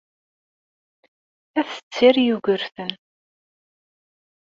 Ad tetter Yugurten.